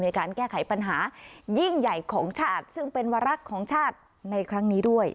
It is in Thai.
ในการแก้ไขปัญหายิ่งใหญ่ของชาติซึ่งเป็นวารักษ์ของชาติในครั้งนี้ด้วย